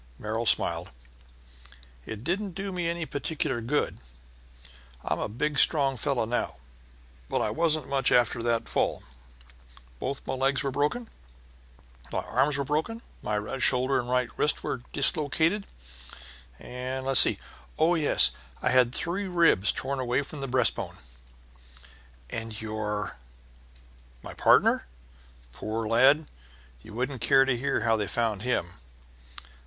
Merrill smiled. "It didn't do me any particular good. I'm a big, strong fellow now, but I wasn't much after that fall. Both my legs were broken. Both my arms were broken. My right shoulder and right wrist were dislocated, and let's see. Oh, yes, I had three ribs torn away from the breast bone." "And your " "My partner? Poor lad! You wouldn't care to hear how they found him.